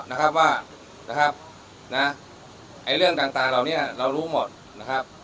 นะครับว่านะครับนะไอ้เรื่องต่างต่างเหล่านี้เรารู้หมดนะครับ